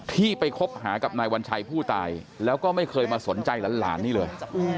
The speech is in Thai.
ที่ไปคบหากับนายวัญชัยผู้ตายแล้วก็ไม่เคยมาสนใจหลานนี่เลย